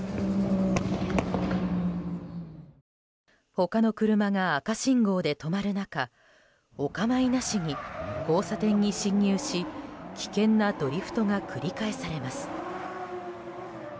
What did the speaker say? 他の車が赤信号で止まる中お構いなしに交差点に進入し危険なドリフトが繰り返されます。